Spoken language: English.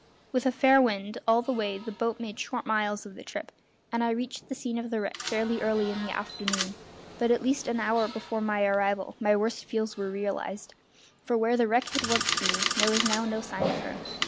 With a fair wind all the way the boat made short miles of the trip, and I reached the scene of the wreck fairly early in the afternoon; but at least an hour before my arrival my worst fears were realised, for where the wreck had once been there was now no sign of her.